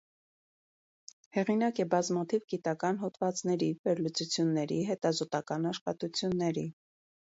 Հեղինակ է բազմաթիվ գիտական հոդվածների, վերլուծությունների, հետազոտական աշխատությունների։